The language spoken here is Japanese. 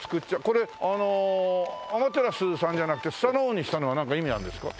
これあのアマテラスさんじゃなくてスサノオにしたのはなんか意味あるんですか？